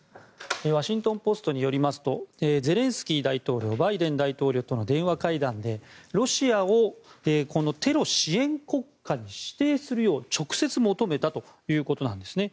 ワシントン・ポストによりますとゼレンスキー大統領はバイデン大統領との電話会談でロシアをテロ支援国家に指定するよう直接求めたということなんですね。